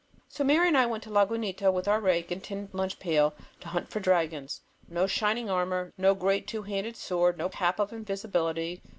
So Mary and I went to Lagunita with our rake and tin lunch pail to hunt for dragons. No shining armor; no great two handed sword; no cap of invisibility.